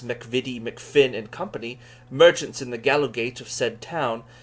MacVittie, MacFin, and Company, merchants in the Gallowgate of the said town.